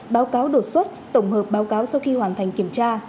báo cáo đột xuất tổng hợp báo cáo sau khi hoàn thành kiểm tra